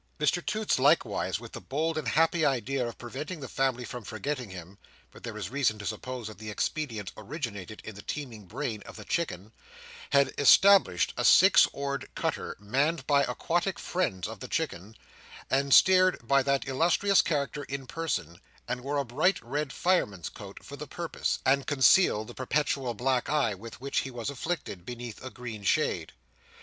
Mr Toots, likewise, with the bold and happy idea of preventing the family from forgetting him (but there is reason to suppose that this expedient originated in the teeming brain of the Chicken), had established a six oared cutter, manned by aquatic friends of the Chicken's and steered by that illustrious character in person, who wore a bright red fireman's coat for the purpose, and concealed the perpetual black eye with which he was afflicted, beneath a green shade.